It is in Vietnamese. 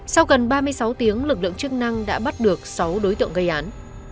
sau gần ba mươi sáu tiếng lực lượng chức năng đã bắt được sáu đối tượng gây án